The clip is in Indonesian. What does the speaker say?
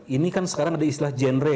ini kan sekarang ada istilah genre